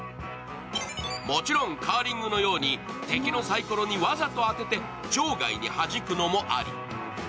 もちろんカーリングのように敵のさいころにわざと当てて場外にはじくのもあり。